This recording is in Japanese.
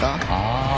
ああ。